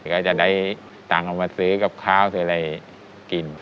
ก็จะได้ตังค์เอามาซื้อกับข้าวซื้ออะไรกิน